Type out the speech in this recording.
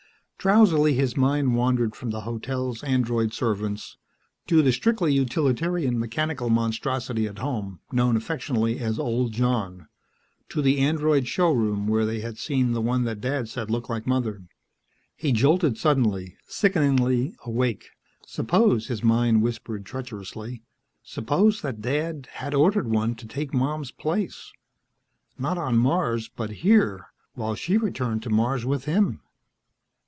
Drowsily his mind wandered from the hotel's android servants ... to the strictly utilitarian mechanical monstrosity at home, known affectionately as "Old John" ... to the android showroom where they had seen the one that Dad said looked like Mother.... He jolted suddenly, sickeningly awake. Suppose, his mind whispered treacherously, suppose that Dad had ordered one to take Mom's place ... not on Mars, but here while she returned to Mars with him.